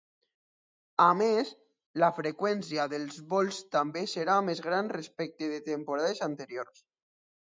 A més, la freqüència dels vols també serà més gran respecte de temporades anteriors.